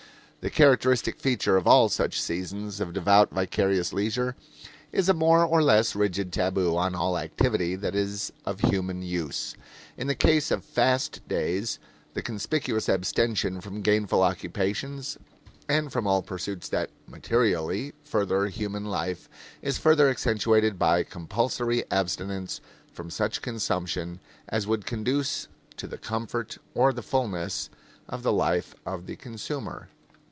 The characteristic feature of all such seasons of devout vicarious leisure is a more or less rigid tabu on all activity that is of human use. In the case of fast days the conspicuous abstention from gainful occupations and from all pursuits that (materially) further human life is further accentuated by compulsory abstinence from such consumption as would conduce to the comfort or the fullness of life of the consumer.